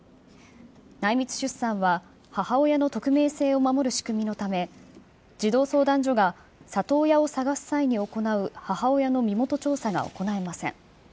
内密出産は、母親の匿名性を守る仕組みのため、児童相談所が里親を探す際に行う母親の身元調査が行えません。